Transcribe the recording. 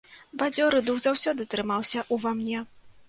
Бадзёры дух заўсёды трымаўся ўва мне.